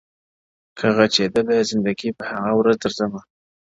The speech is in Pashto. • که غچيدله زنده گي په هغه ورځ درځم ـ